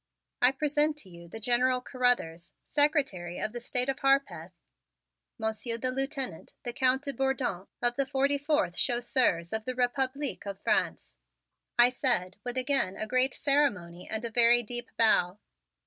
"I present to you the General Carruthers, Secretary of the State of Harpeth, Monsieur the Lieutenant, the Count de Bourdon of the forty fourth Chasseurs of the Republique of France." I said with again a great ceremony and a very deep bow.